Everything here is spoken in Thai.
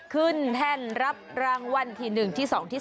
ขึ้นแทนรับรางวัลที่๑ที่๒รางวัลที่๓